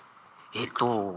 えっと。